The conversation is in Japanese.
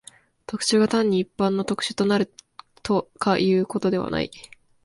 特殊が単に一般の特殊となるとかいうことではない。